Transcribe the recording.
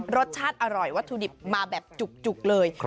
รสชาติอร่อยวัตถุดิบมาแบบจุกเลย